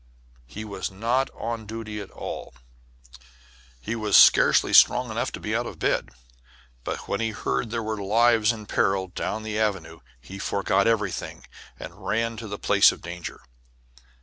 He was not on duty at all. He was scarcely strong enough to be out of bed, but when he heard that there were lives in peril down the avenue he forgot everything, and ran to the place of danger.